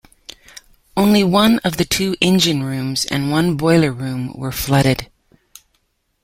Only one of the two engine rooms and one boiler room were flooded.